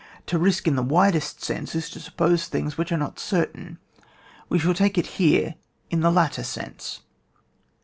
To risk in the widest sense, is to suppose things which are not certain. We shall take it here in the latter sense.